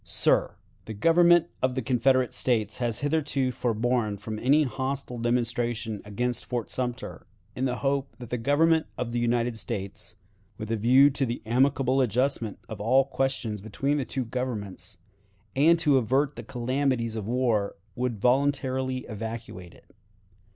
"Sir: The Government of the Confederate States has hitherto forborne from any hostile demonstration against Fort Sumter, in the hope that the Government of the United States, with a view to the amicable adjustment of all questions between the two Governments, and to avert the calamities of war, would voluntarily evacuate it.